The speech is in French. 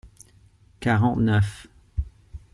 Quarante-neuf.